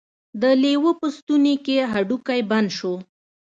د لیوه په ستوني کې هډوکی بند شو.